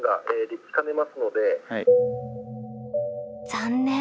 残念！